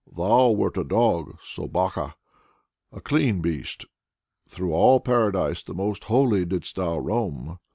thou wert a Dog (Sobaka), a clean beast; through all Paradise the most holy didst thou roam.